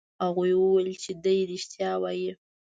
هغوی وویل چې دی رښتیا وایي.